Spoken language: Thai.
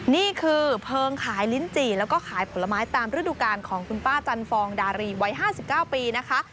นี่คือเพิงขายลิ้นจี่แล้วก็ขายผลไม้ตามฤดูการของคุณป้าจันทร์ฟองดารีไว้ห้าสิบเก้าปีนะคะ